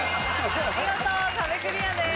見事壁クリアです。